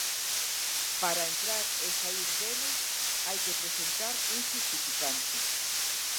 Para entrar e saír deles hai que presentar un xusficante.